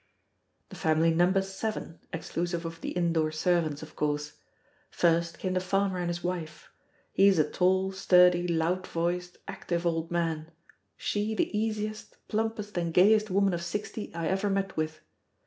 The family numbers seven, exclusive of the indoor servants, of course. First came the farmer and his wife he is a tall, sturdy, loud voiced, active old man she the easiest, plumpest and gayest woman of sixty I ever met with.